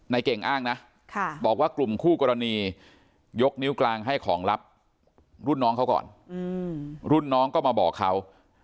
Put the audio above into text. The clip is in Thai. เก่งอ้างนะบอกว่ากลุ่มคู่กรณียกนิ้วกลางให้ของรับรุ่นน้องเขาก่อนรุ่นน้องก็มาบอกเขา